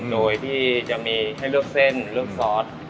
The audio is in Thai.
โดยที่จะมีให้เลือกเส้นเลือกซอส